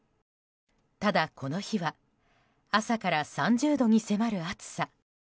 ただ、この日は朝から３０度に迫る暑さ。